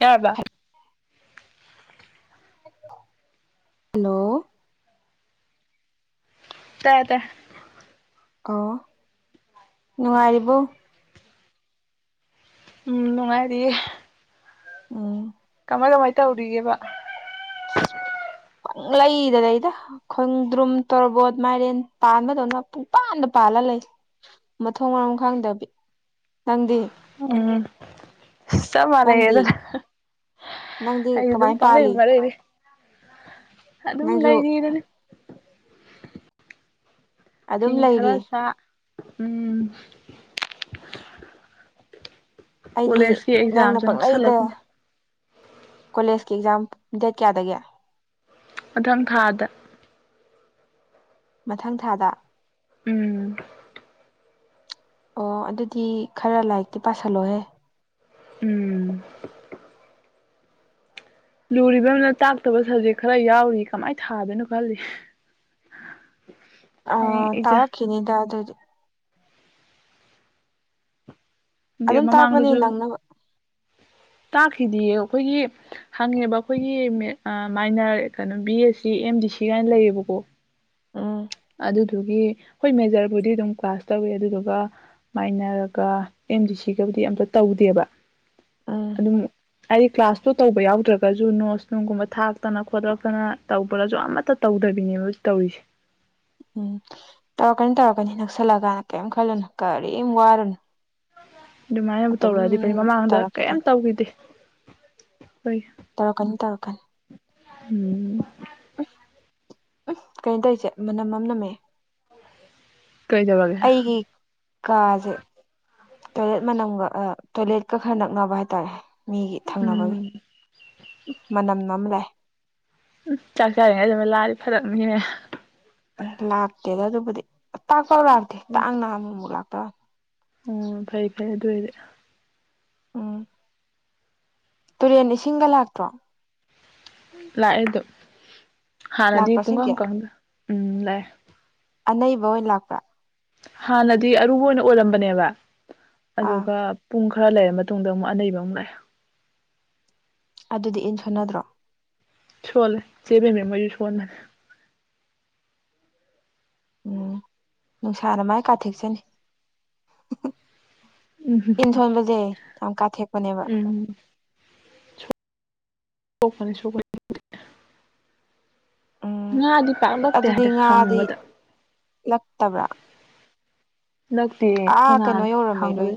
ꯌꯥꯔꯕ ꯍꯜꯂꯣ ꯇꯥꯗ ꯑꯣ ꯅꯨꯡꯉꯥꯏꯔꯤꯕꯣ ꯅꯨꯡꯉꯥꯏꯔꯤꯌꯦ ꯑꯥ ꯀꯃꯥꯏ ꯀꯃꯥꯏ ꯇꯧꯔꯤꯒꯦꯕ ꯂ ꯏꯗꯗ ꯑꯩꯗ ꯈꯣꯡꯗ꯭ꯔꯨꯝ ꯇꯣꯔꯕꯣꯠ ꯃꯥꯏꯔꯦꯟ ꯄꯥꯟꯕꯗꯧꯅ ꯄꯨꯡꯄꯥꯟꯗ ꯄꯥꯜꯂ ꯂꯩ ꯃꯊꯣꯡ ꯃꯔꯝ ꯈꯪꯗꯕꯤ ꯅꯪꯗꯤ ꯎꯝ ꯆ ꯅꯪꯗꯤ ꯃꯥꯅꯦꯒꯗ꯭ꯔꯦ ꯅꯪꯗꯤ ꯑꯩ ꯑꯗꯨꯝ ꯀꯃꯥꯏꯅ ꯄꯪ ꯏ ꯄꯥꯜꯂꯤ ꯃꯔꯦꯗꯤ ꯑꯗꯨꯝ ꯅꯪꯁꯨ ꯂꯩꯔꯤꯗꯅ ꯐꯤ ꯑꯗꯨꯝ ꯂꯩꯔꯤ ꯈꯔ ꯁꯥ ꯎꯝ ꯑꯩꯗꯤ ꯀꯣꯂꯦꯖꯀꯤ ꯅꯪꯅ ꯑꯦꯛꯖꯥꯝꯁꯨ ꯄꯛꯅꯛꯏꯗ ꯅꯛꯁꯜꯂꯛꯀꯨꯝ ꯀꯣꯂꯦꯖꯀꯤ ꯑꯦꯛꯖꯥꯝ ꯗꯦꯠ ꯀꯌꯥꯗꯒꯤꯦ ꯃꯊꯪ ꯊꯥꯗ ꯃꯊꯪ ꯊꯥꯗ ꯎꯝ ꯑꯣ ꯑꯗꯨꯗꯤ ꯈꯔ ꯂꯥꯏꯔꯤꯛꯇꯤ ꯄꯥꯁꯜꯂꯣꯍꯦ ꯎꯝ ꯂꯨꯔꯤꯕ ꯑꯃꯅ ꯇꯥꯛꯇꯕ ꯁꯕꯖꯦꯛ ꯈꯔ ꯌꯥꯎꯔꯤ ꯀꯃꯥꯏꯅ ꯊꯥꯗꯣꯏꯅꯣ ꯈꯜꯂꯤ [inaudible] ꯑ ꯑꯦꯛꯖꯥꯝ ꯇꯥꯔ ꯀꯅꯤꯗ ꯑꯗꯨꯗꯤ ꯑ ꯑꯗꯨꯝ ꯇꯥꯛꯄꯅꯤ ꯃꯃꯥꯡꯗꯁꯨ ꯅꯪꯅꯕ ꯇꯥꯛꯈꯤꯗꯤꯌꯦ ꯑꯩꯈꯣꯏꯒꯤ ꯍꯪꯉꯦꯕ ꯑꯩꯈꯣꯏꯒꯤ ꯃꯥꯏꯅ ꯀꯩꯅꯣ ꯕꯤ ꯑꯦ ꯁꯤ ꯑꯦꯝ ꯗꯤ ꯁꯤ ꯀꯥꯏꯅ ꯂꯩꯌꯦꯕꯀꯣ ꯎꯝ ꯑꯗꯨꯗꯨꯒꯤ ꯍꯣꯏ ꯃꯦꯖꯔꯕꯨꯗꯤ ꯑꯗꯨꯝ ꯀ꯭ꯂꯥꯁ ꯇꯧꯋꯤ ꯑꯗꯨꯗꯨꯒ ꯃꯥꯏꯅꯔꯒ ꯑꯦꯝ ꯗꯤ ꯁꯤꯒꯕꯨꯗꯤ ꯑꯝꯇ ꯇꯧꯗꯦꯕ ꯎꯝ ꯑꯗꯨꯝ ꯑꯩ ꯀ꯭ꯂꯥꯁ ꯁꯨ ꯇꯧꯕ ꯌꯥꯎꯗ꯭ꯔꯒꯁꯨ ꯅꯣꯁ ꯅꯨꯡꯒꯨꯝꯕ ꯊꯥꯛꯇꯅ ꯈꯣꯠꯇꯛꯇꯅ ꯇꯧꯕꯔꯁꯨ ꯑꯃꯠꯇ ꯇꯧꯗꯕꯤꯅꯦꯕ ꯇꯧꯔꯤꯁꯦ ꯎꯝ ꯇꯧꯔꯛꯀꯅꯤ ꯇꯧꯔꯛꯀꯅꯤ ꯅꯛꯁꯜꯂꯛꯀꯥꯟꯗ ꯀꯔꯤꯝ ꯈꯜꯂꯨꯅꯨ ꯀꯔꯤꯝ ꯋꯥꯔꯨꯅꯨ ꯑꯗꯨꯃꯥꯏꯅꯕꯨ ꯑꯗꯨꯝ ꯇꯧꯔꯛꯑꯗꯤ ꯐꯩ ꯃꯃꯥꯡꯗ ꯀꯩꯝ ꯇꯧꯔꯛꯈꯤꯗꯣꯏꯅꯤ ꯇꯧꯈꯤꯗꯦ ꯑꯩꯈꯣꯏꯒꯤ ꯇꯧꯔꯛꯀꯅꯤ ꯇꯧꯔꯛꯀꯅꯤ ꯎꯝ ꯎꯝ ꯎꯝ ꯀꯩꯅꯣ ꯇꯧꯔꯤꯁꯦ ꯃꯅꯝ ꯑꯃꯝ ꯅꯝꯃꯦ ꯀꯩꯗꯕꯒꯦ ꯑꯩꯒꯤ ꯀꯥꯁꯦ ꯇꯣꯏꯂꯦꯠ ꯃꯅꯝꯒ ꯇꯣꯏꯂꯦꯠꯀ ꯈꯔ ꯅꯛꯅꯕ ꯍꯥꯏꯇꯥꯔꯦ ꯃꯤꯒꯤ ꯊꯪꯅꯕꯒꯤ ꯎꯝ ꯃꯅꯝ ꯑꯃ ꯂꯥꯛꯑꯦ ꯎ ꯆꯥꯛ ꯆꯥꯔꯤꯉꯩ ꯑꯗꯨꯃ ꯂꯥꯛꯑꯗꯤ ꯐꯔꯛꯅꯤꯍ ꯂꯥꯛꯇꯦꯗ ꯑꯗꯨꯕꯨꯗꯤ ꯇꯥꯛꯄꯧ ꯂꯥꯛꯑꯇꯦ ꯇꯥꯡꯅ ꯑꯃꯨꯃꯨꯛ ꯂꯥꯛꯇꯧꯔ ꯑꯣ ꯐꯩ ꯐꯩꯦ ꯑꯗꯨ ꯑꯣꯏꯗꯤ ꯎꯝ ꯇꯨꯔꯦꯟ ꯏꯁꯤꯡꯒ ꯂꯥꯛꯇ꯭ꯔꯣ ꯂꯥꯛꯑꯦꯗꯣ ꯍꯥꯟꯅꯗꯤ ꯂꯥꯛꯄ꯭ꯔꯥ ꯄꯨꯡ ꯁꯤꯡꯒꯤ ꯀꯨꯛꯀꯗ ꯎꯝ ꯂꯥꯛꯑꯦ ꯑꯅꯩꯕ ꯑꯣꯏꯅ ꯂꯥꯛꯄ꯭ꯔꯥ ꯍꯥꯟꯅꯗꯤ ꯑꯔꯨꯕ ꯑꯣꯏꯅ ꯑꯣꯏꯔꯝꯕꯅꯦꯕ ꯑꯥ ꯑꯗꯨꯒ ꯄꯨꯡ ꯈꯔ ꯂꯩꯔꯕ ꯃꯇꯨꯡꯗ ꯑꯃꯨꯛ ꯑꯅꯕ ꯑꯃꯨꯛ ꯂꯥꯛꯑꯦ ꯑꯗꯨꯗꯤ ꯏꯟ ꯁꯣꯟꯅꯗ꯭ꯔꯣ ꯁꯣꯂꯦ ꯆꯦꯕ ꯃꯦꯝ ꯃ ꯌꯁꯣꯟ ꯎꯝ ꯅꯨꯡꯁꯥꯅ ꯃꯥꯏ ꯀꯥꯊꯦꯛꯆꯅꯤ ꯎꯝ ꯇꯟꯊꯣꯟꯕꯁꯦ ꯌꯥꯝ ꯀꯥꯊꯦꯛꯄꯅꯦꯕ ꯎꯝ ꯁꯣꯛꯄꯅꯤ ꯁꯣꯛꯄꯅꯤ ꯎꯝ ꯉꯥꯗꯤ ꯄꯥꯛꯂꯛꯇꯦ ꯑꯗꯨꯗꯤ ꯍꯥꯏꯗꯤ ꯉꯥꯗꯤ ꯍꯪꯨꯕꯗ ꯂꯛꯇꯕ꯭ꯔꯥ ꯂꯛꯇꯦ ꯑꯥ ꯈꯣꯏ ꯅꯥꯟ ꯀꯩꯅꯣ ꯍꯥꯡꯕ ꯌꯧꯔꯝꯃꯩꯔꯣꯏ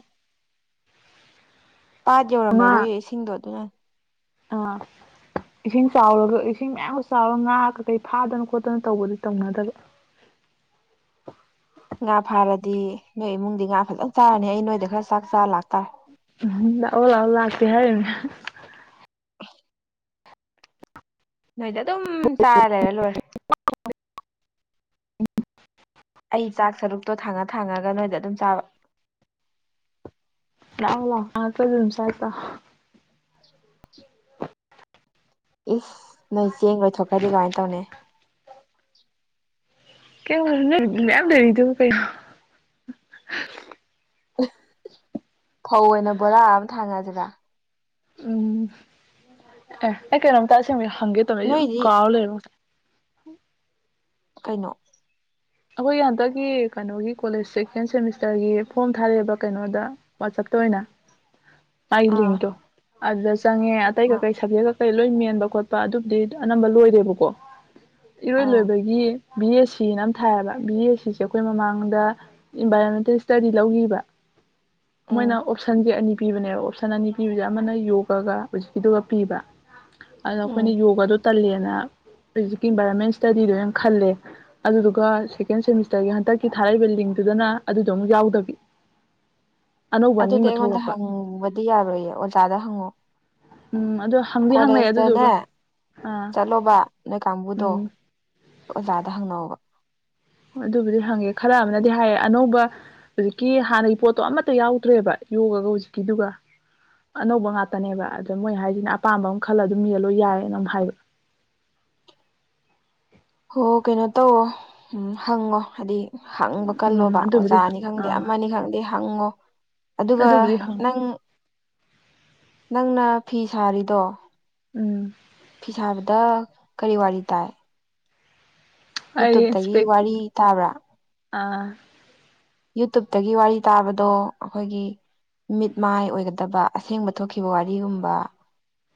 ꯄꯥꯠ ꯉꯥ ꯌꯧꯔꯝꯃꯔꯣꯏꯌꯦ ꯏꯁꯤꯡꯗꯣ ꯑꯗꯨꯅ ꯑꯥ꯫ ꯏꯁꯤꯡ ꯆꯥꯎꯔꯒ ꯏꯁꯤꯡ ꯃꯌꯥꯝꯒ ꯆꯥꯎꯔꯒ ꯉꯥ ꯀ ꯀꯩ ꯐꯥꯗꯅ ꯈꯣꯠꯇꯅ ꯇꯧꯕꯗꯤ ꯇꯧꯅꯗꯕ꯫ ꯉꯥ ꯐꯥꯔꯗꯤ ꯅꯣꯏ ꯏꯃꯨꯡꯗꯤ ꯉꯥ ꯐꯖꯅ ꯆꯥꯔꯅꯤ ꯑꯩ ꯅꯣꯏꯗ ꯈꯔ ꯆꯥꯛ ꯆꯥꯔ ꯂꯥꯛꯇꯥꯔꯦ꯫ ꯎ ꯂꯥꯛꯑꯥ ꯂꯥꯛꯑꫭ ꯂꯥꯛꯇꯦ꯫ [inaudible] ꯅꯣꯏꯗ ꯑꯗꯨꯝ ꯆꯥꯔ ꯂꯩꯔ ꯂꯣꯏꯔꯦ꯫ [inaudible] ꯑꯩ ꯆꯥꯛ ꯁꯔꯨꯛꯇꯣ ꯊꯥꯡꯉ ꯊꯥꯡꯉꯒ ꯅꯣꯏꯗ ꯑꯗꯨꯝ ꯆꯥꯕ꯫ ꯂꯥꯛ ꯂꯥꯛꯑꯣ꯫ [inaudible] ꯏꯁ ꯅꯣꯏ ꯆꯦꯡ ꯂꯣꯏꯊꯣꯛꯈ꯭ꯔꯗꯤ ꯀꯃꯥꯏꯅ ꯇꯧꯅꯤ꯫ ꯀꯩꯝ ꯈꯜꯂꯨꯅꯨ ꯃꯌꯥꯝ ꯂꯩꯔꯤꯗꯨ ꯀꯩꯅꫭ꯫ ꯐꯧ ꯑꯣꯏꯅ ꯕꯣꯔꯥ ꯑꯃ ꯊꯥꯡꯉꯑꯁꯤꯔꯥ꯫ ꯎꯝ ꯑꯦ ꯑꯩ ꯀꯩꯅꯣꯝꯇꯥ ꯑꯁꯦꯡꯕꯩ ꯍꯪꯒꯦ ꯇꯧꯔꯥꯁꯦ ꯑꯗꯨꯨꯝ ꯅꯣꯏꯗꯤ ꯀꯥꯎ ꯂꯩꯔ꯫ ꯀꯩꯅꯣ꯫ ꯑꯩꯈꯣꯏꯒꯤ ꯍꯟꯗꯛꯀꯤ ꯀꯩꯅꯣꯒꯤ ꯀꯣꯂꯦꯖ ꯁꯦꯀꯦꯟ ꯁꯦꯃꯤꯁꯇꯔꯒꯤ ꯐꯣꯔꯝ ꯊꯥꯔꯛꯑꯦꯕ ꯀꯩꯅꯣꯗ꯫ ꯋꯥꯆꯞꯇ ꯑꯣꯏꯅ ꯃꯥꯒꯤ ꯑꯥ ꯂꯤꯡꯇꯣ ꯑꯗꯨꯗ ꯆꯪꯉꯦ ꯑꯇꯩ ꯑꯥ ꯀꯀꯩ ꯁꯞꯖꯦꯛ ꯀꯩ ꯂꯣꯏ ꯃꯦꯟꯕ ꯈꯣꯠꯄ ꯑꯗꯨꯕꯨꯗꯤ ꯑꯅꯝꯕ ꯂꯣꯏꯔꯦꯕꯀꯣ ꯏꯔꯣꯏ ꯑꯥ ꯂꯣꯏꯕꯒꯤ ꯕꯤ ꯑꯦꯁ ꯁꯤ ꯅ ꯊꯥꯑꯦꯕ ꯕꯤ ꯑꯦ ꯁꯤꯁꯦ ꯑꯩꯈꯣꯏ ꯃꯃꯥꯡꯗ ꯏꯟꯚꯥꯏꯔꯣꯟꯃꯦꯟꯇꯦꯜ ꯏꯁꯇꯗꯤ ꯂꯧꯈꯤꯕ꯫ ꯃꯣꯏꯅ ꯎꯝ ꯑꯣꯞꯁꯟꯁꯦ ꯑꯅꯤ ꯄꯤꯕꯅꯦꯕ ꯑꯣꯞꯁꯟ ꯑꯅꯤ ꯄꯤꯕꯁꯦ ꯑꯃꯅ ꯌꯣꯒꯒ ꯍꯧꯖꯤꯛꯀꯤꯗꯨꯒ ꯄꯤꯕ꯫ ꯑꯗꯨꯅ ꯎꯝ ꯑꯩꯈꯣꯏꯅ ꯌꯣꯒꯥꯗꯣ ꯇꯜꯂꯦꯅ ꯍꯧꯖꯤꯛꯀꯤ ꯏꯟꯚꯥꯏꯔꯣꯟꯃꯦꯟ ꯏꯁꯇꯗꯤꯗꯣ ꯑꯣꯏꯅ ꯈꯜꯂꯦ ꯑꯗꯨꯗꯨ ꯑꯗꯨꯒ ꯁꯦꯀꯦꯟ ꯁꯦꯃꯤꯁꯇꯔꯒꯤ ꯍꯟꯇꯛꯀꯤ ꯊꯥꯔꯛꯏꯕ ꯂꯤꯡꯇꯨꯗꯅ ꯑꯗꯨꯗꯣ ꯑꯃꯨꯛ ꯌꯥꯎꯗꯕꯤ꯫ ꯑꯅꯧꯕ ꯑꯅꯤ ꯑꯃ ꯊꯣꯛꯂꯛꯄ꯫ ꯗꯤ ꯌꯥꯔꯣꯏꯌꯦ ꯑꯣꯖꯥꯗ ꯍꯪꯉꯣ꯫ ꯎꯝ ꯑꯗꯣ ꯍꯪꯗꯤ ꯍꯪꯅꯩ ꯑꯗꯨꯗꯨꯒ ꯀꯣꯂꯦꯖꯇꯅꯦ ꯑꯥ ꯆꯠꯂꯣꯕ ꯅꯣꯏ ꯀꯥꯡꯕꯨꯗꯣ꯫ ꯎꯝ ꯑꯣꯖꯥꯗ ꯍꯪꯅꯑꫭꯕ꯫ ꯑꯗꯨꯕꯨꯗꯤ ꯍꯪꯉꯦ ꯈꯔ ꯑꯃꯅꯗꯤ ꯍꯥꯏꯌꯦ ꯑꯅꯧꯕ ꯍꯧꯖꯤꯛꯀꯤ ꯍꯥꯟꯅꯒꯤ ꯄꯣꯠꯇꯣ ꯑꯃꯠꯇ ꯌꯥꯎꯗ꯭ꯔꯦꯕ ꯌꯣꯒꯒ ꯍꯧꯖꯤꯛꯀꯤꯗꯨꯒ꯫ ꯑꯅꯧꯕ ꯉꯥꯛꯇꯅꯦꯕ ꯑꯗꫭ ꯃꯣꯏ ꯍꯥꯏꯁꯤꯅꯦ ꯑꯄꯥꯝꯕ ꯑꯃ ꯈꯜꯂ ꯑꯗꯨꯝ ꯃꯦꯜꯂꫭ ꯌꯥꯏꯌꯦꯅꯝ ꯍꯥꯏꯕ꯫ ꯍꯣ ꯀꯩꯅꯣ ꯇꯧꯋꯣ ꯎꯝ ꯍꯪꯉꯣ ꯍꯥꯏꯗꯤ ꯍꯪꯕ ꯀꯜꯂꯣꯕ ꯎꯝ ꯑꯗꯨꯕꯨꯗꯤ ꯑꯣꯖꯥꯅꯤ ꯈꯪꯗꯦ ꯑꯥ ꯑꯃꯅꯤ ꯈꯪꯗꯦ ꯍꯪꯉꯣ꯫ ꯑꯗꯨꯒ ꯑꯗꯨꯕꯨꯗꯤ ꯍꯪ ꯅꯪ ꯅꯪꯅ ꯐꯤ ꯁꯥꯔꯤꯗꯣ ꯎꯝ ꯐꯤ ꯁꯥꯕꯗ ꯀꯔꯤ ꯋꯥꯔꯤ ꯇꯥꯏ꯫ ꯑꯩꯗꯤ ꯌꯨꯇꯨꯞꯇꯒꯤ ꯏꯟꯁꯄꯦ ꯋꯥꯔꯤ ꯇꯥꯕ꯭ꯔꯥ ꯑ ꯌꯨꯇꯨꯞꯇꯒꯤ ꯋꯥꯔꯤ ꯇꯥꯕꯗꯣ ꯑꯈꯣꯏꯒꯤ ꯃꯤꯠ ꯃꯥꯏ ꯑꯣꯏꯒꯗꯕ ꯑꯁꯦꯡꯕ ꯊꯣꯛꯈꯤꯕ ꯋꯥꯔꯤꯒꯨꯝꯕ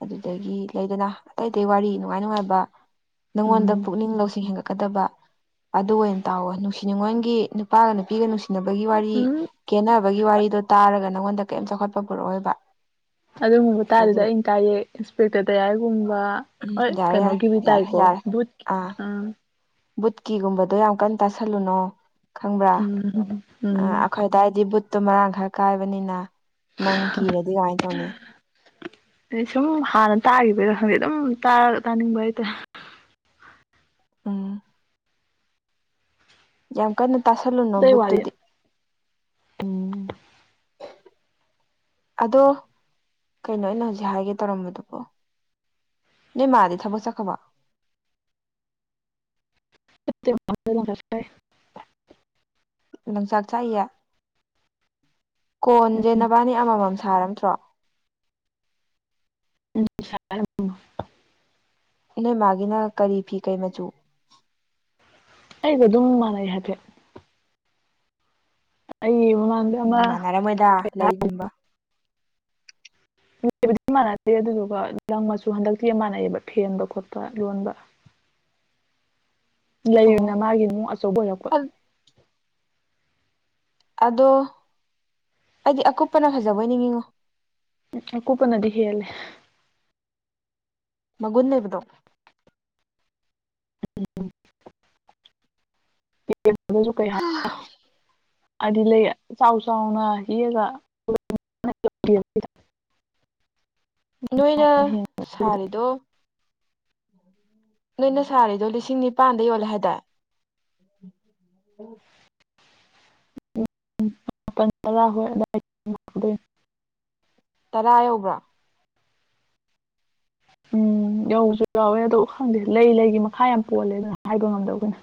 ꯑꯗꯨꯗꯒꯤ ꯂꯩꯗꯅ ꯑꯇꯩ ꯑꯇꯩ ꯋꯥꯔꯤ ꯅꯨꯡꯉꯥꯏ ꯅꯨꯡꯉꯥꯏꯕ꯫ ꯅꯪꯉꯣꯟꯗ ꯎꯝ ꯄꯨꯛꯅꯤꯡ ꯂꯧꯁꯤꯡ ꯍꯦꯟꯒꯠꯀꯗꯕ ꯑꯗꯨ ꯑꯣꯏꯅ ꯇꯥꯎꯋ ꯅꯨꯡꯁꯤ ꯉꯣꯟꯒꯤ ꯅꯨꯄꯥꯒ ꯅꯨꯄꯤꯒ ꯅꯨꯡꯁꯤꯅꯕꯒꯤ ꯋꯥꯔꯤ ꯎꯝ ꯀꯦꯅꯕꯒꯤ ꯋꯥꯔꯤꯗꯣ ꯇꯥꯔꯒ ꯅꯪꯉꯣꯟꯗ ꯀꯔꯤꯝ ꯆꯥꯎꯈꯠꯄ ꯄꯨꯔꯛꯑꯣꯕ꯫ ꯑꯗꯨꯒꯨꯝꯕ ꯇꯥꯔꯗꯤ ꯑ ꯇꯔꯦꯛ ꯏꯟꯁꯄꯦꯛꯇꯔ ꯗꯌꯥꯏꯔꯒꯨꯝꯕ ꯎꯝ ꯍꫭꯏ ꯌꯥꯔꯦ ꯀꯩꯅꯣ ꯌꯥꯔꯦ ꯀ ꯄ ꯌꯥꯔꯦ ꯇꯥꯏꯀꯣ ꯌꯥꯔꯦ ꯕꯨꯠꯀꯤ ꯑꯥ ꯑ ꯕꯨꯠꯀꯤꯒꯨꯝꯕꯗꯣ ꯌꯥꯝ ꯀꯟꯅ ꯇꯥꯁꯜꯂꯨꯅꯣ ꯈꯪꯕ꯭ꯔꯥ ꯎꯝ ꯑ ꯎꯝ ꯑꯈꯣꯏ ꯗꯥꯏꯗꯤ ꯕꯨꯠꯇꯣ ꯃꯔꯥꯡ ꯈꯔ ꯀꯥꯏꯕꯅꯤꯅ ꯅꯪ ꯀꯤꯔꯗꯤ ꯀꯃꯥꯏꯅ ꯇꯧꯅꯤ꯫ ꯑꯩ ꯁꯨꯝ ꯍꯥꯟꯅ ꯇꯥꯈꯤꯕꯩꯔꯥ ꯈꯪꯗꯦ ꯑꯗꯨꯝ ꯇꯥꯔ ꯇꯥꯅꯤꯡꯕ ꯍꯥꯏꯇꯥꯔꯦ꯫ ꯎꯝ꯫ ꯌꯥꯝ ꯀꯟꯅ ꯇꯥꯁꯜꯂꯨꯅꯣ ꯑꯇꯩ ꯋꯥꯗꯤ ꯕꯨꯨꯠꯇꯨꯗꯤ꯫ ꯎꯝ꯫ ꯑꯗꯣ ꯀꯩꯅꯣ ꯑꯩꯅ ꯍꯧꯖꯤꯛ ꯍꯥꯏꯒꯦ ꯇꯧꯔꯝꯏꯗꯨꯕꯣ꯫ ꯅꯣꯏ ꯃꯥꯗꯤ ꯊꯕꯛ ꯆꯠꯈꯕꯣ꯫ [unintelligible] ꯂꯝꯪꯆꯥꯛ ꯆꯥꯛꯏꯌꯦ ꯀꯣꯟꯁꯦ ꯅꯕꯥꯅꯤ ꯑꯃꯃꯝ ꯁꯥꯔꯝꯗ꯭ꯔꯣ [unintelligible] ꯏꯅꯩ ꯃꯥꯒꯤꯅ ꯀꯔꯤ ꯐꯤ ꯀꯩ ꯃꯆꯨ ꯑꯩꯒ ꯑꯗꯨꯝ ꯃꯥꯟꯅꯩ ꯍꯥꯏꯐꯦꯠ ꯑꯩ ꯃꯃꯥꯡꯗ ꯑꯃ ꯎꯝ ꯃꯥꯟꯅꯔꯝꯃꯣꯏꯗ ꯂꯩꯒꯨꯝꯕ ꯂꯩꯕꯗꯤ ꯃꯥꯟꯅꯗꯦ ꯑꯗꯨꯗꯨꯒ ꯂꯪ ꯃꯆꯨ ꯍꯟꯗꯛꯇꯤ ꯃꯥꯟꯅꯩꯑꯕ ꯐꯦꯟꯕ ꯈꯣꯠꯄ ꯂꯣꯟꯕ ꯂꯩꯔꯤꯅ ꯑꯣ ꯃꯥꯒꯤ ꯅꯨꯡ ꯑꯆꯧꯕ ꯑꯣꯏꯔꯛꯄ ꯑꯗꯣ ꯍꯥꯏꯗꯤ ꯑꯀꯨꯞꯄꯅ ꯐꯖꯕ ꯑꯣꯏ ꯅꯤꯡꯉꯉꯣ ꯎ ꯀꯨꯄꯅꯗꯤ ꯍꯦꯜꯂꯦ ꯃꯒꯨꯟ ꯂꯩꯕꯗꯣ ꯎꯝ ꯀꯩ ꯍꯥꯏ ꯑꯗꯨ ꯂꯩ ꯆꯥꯎ ꯆꯥꯎꯅ ꯍꯒ [unintelligible] ꯅꯣꯏꯅ ꯍꯦꯟꯅ ꯁꯥꯔꯤꯗꯣ ꯅꯣꯏꯅ ꯁꯥꯔꯤꯗꯣ ꯂꯤꯁꯤꯡ ꯅꯤꯄꯥꯟꯗ ꯌꯣꯜꯂꯦ ꯍꯥꯏꯗ ꯃꯄꯥꯟ ꯇꯔꯥ ꯍꯣꯏ ꯑꯗꯥꯏ [unintelligible] ꯇꯔꯥ ꯌꯧꯕ꯭ꯔꯥ ꯎꯝ ꯌꯧꯕꯁꯨ ꯌꯥꯎꯋꯦ ꯑ ꯈꯪꯗꯦ ꯂꯩ ꯂꯩꯒꯤ ꯃꯈꯥ ꯌꯥꯝ ꯄꯣꯜꯂꯦ ꯑꯗꯨꯅ ꯍꯥꯏꯕ ꯉꯝꯗꯕ ꯑꯩꯈꯣꯏꯅ